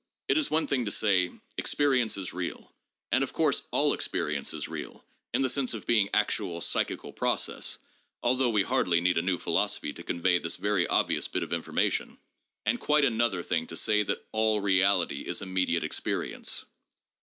It is one thing to say experience is real (and, of course, all experience is real in the sense of being actual psychical process, although we hardly need a new philosophy to convey this very obvious bit of information) and quite another thing to say that all reality is immediate experience.